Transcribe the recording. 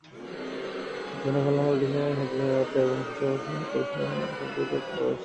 যৌন খেলনা পার্টির জনপ্রিয়তা স্ব-সহায়তা এবং স্ব-বাস্তবায়নের সাথে সম্পর্কিত হতে পরামর্শ দেওয়া হয়েছে।